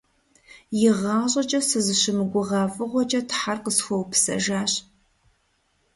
ИгъащӀэкӀэ сызыщымыгугъа фӀыгъуэкӀэ Тхьэр къысхуэупсэжащ.